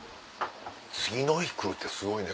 次の日来るってすごいね